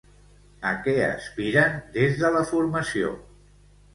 A què aspiren, des de la formació?